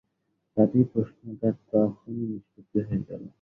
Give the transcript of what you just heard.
তাতেই প্রশ্নটার তখনই নিষ্পত্তি হয়ে গেল।